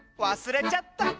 わすれちゃった！